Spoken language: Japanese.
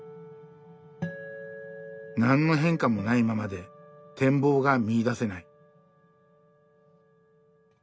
「なんの変化もないままで展望が見いだせない」。